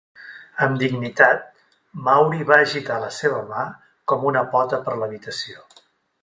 Amb dignitat, Maury va agitar la seva mà com una pota per l'habitació.